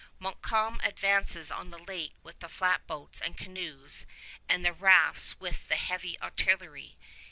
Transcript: Montcalm advances on the lake with the flatboats and canoes, and the rafts with the heavy artillery.